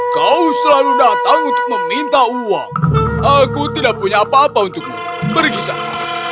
kau selalu datang untuk meminta uang aku tidak punya apa apa untukmu pergi saya